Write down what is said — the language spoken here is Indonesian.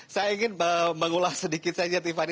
saya ingin mengulas sedikit saja tiffany